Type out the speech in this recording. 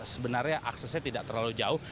sebenarnya aksesnya tidak terlalu jauh